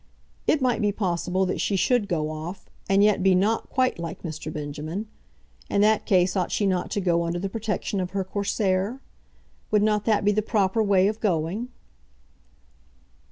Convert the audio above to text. It might be possible that she should go off, and yet be not quite like Mr. Benjamin. In that case ought she not to go under the protection of her Corsair? Would not that be the proper way of going?